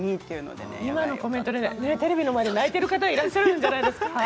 今のコメントでテレビの前で泣いている方いらっしゃるんじゃないですか。